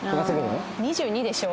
２２でしょ？